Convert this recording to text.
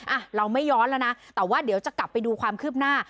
อ่ะเราไม่ย้อนแล้วนะแต่ว่าเดี๋ยวจะกลับไปดูความคืบหน้า